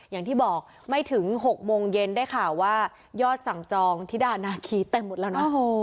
อย่างที่บอกไม่ถึง๖โมงเย็นได้ข่าวว่ายอดสั่งจองธิดานาคีเต็มหมดแล้วนะ